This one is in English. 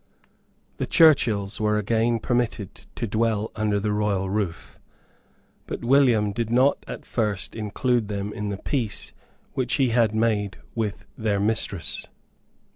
The Churchills were again permitted to dwell under the royal roof. But William did not at first include them in the peace which he had made with their mistress.